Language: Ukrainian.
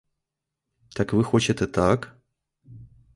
Так ви хочете так?